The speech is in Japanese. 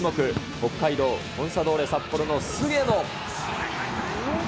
北海道コンサドーレ札幌の菅野。